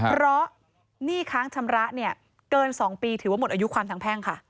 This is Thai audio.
เพราะหนี้ค้างชำระเนี่ยเกิน๒ปีถือว่าหมดอายุความทางแพ่งค่ะ